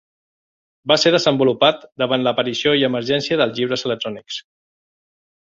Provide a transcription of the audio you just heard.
Va ser desenvolupat davant l'aparició i emergència dels llibres electrònics.